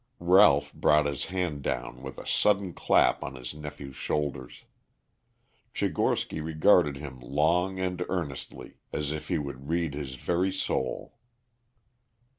Ralph brought his hand down with a sudden clap on his nephew's shoulders. Tchigorsky regarded him long and earnestly as if he would read his very soul.